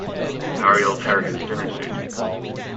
Harry'll tear his dinner suit.